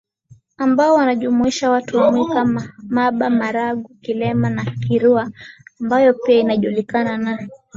ambao wanajumuisha watu wa Mwika Mamba Marangu Kilema na Kirua ambayo ndio inajulikana na